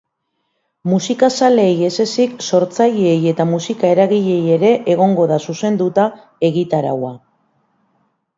Musikazaleei ez ezik, sortzaileei eta musika-eragileei ere egongo da zuzenduta egitaraua.